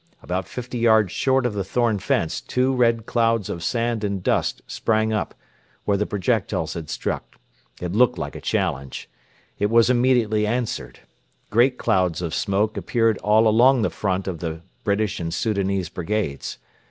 About fifty yards short of the thorn fence two red clouds of sand and dust sprang up, where the projectiles had struck. It looked like a challenge. It was immediately answered. Great clouds of smoke appeared all along the front of the British and Soudanese brigades.